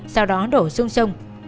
sau đó đổ xuống sông